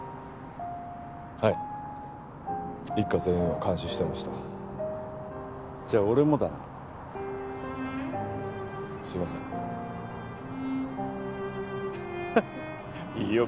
はい一課全員を監視してましたじゃ俺もだなすいませんハハッいいよ